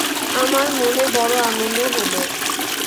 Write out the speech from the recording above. আমার মনে বড় আনন্দ হল।